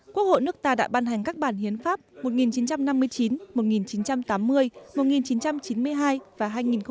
quốc hội nước ta đã ban hành các bản hiến pháp một nghìn chín trăm năm mươi chín một nghìn chín trăm tám mươi một nghìn chín trăm chín mươi hai và hai nghìn một mươi một